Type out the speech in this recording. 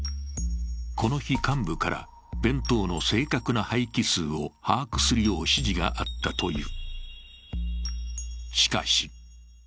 この日、幹部から弁当の正確な廃棄数を把握するよう指示があったという。